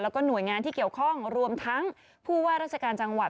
แล้วก็หน่วยงานที่เกี่ยวข้องรวมทั้งผู้ว่าราชการจังหวัด